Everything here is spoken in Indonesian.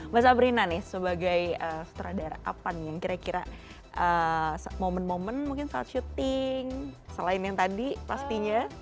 mas abrina nih sebagai sutradara apa nih yang kira kira momen momen mungkin saat syuting selain yang tadi pastinya